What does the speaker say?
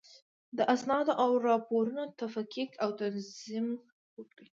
د اسنادو او راپورونو تفکیک او تنظیم وکړئ.